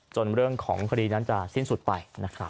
จนเรื่องของคดีนั้นจะสิ้นสุดไป